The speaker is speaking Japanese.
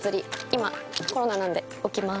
今コロナなんで置きます。